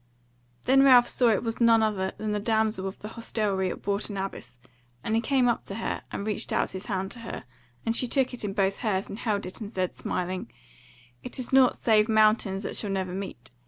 Then Ralph saw that it was none other than the damsel of the hostelry of Bourton Abbas, and he came up to her and reached out his hand to her, and she took it in both hers and held it and said, smiling: "It is nought save mountains that shall never meet.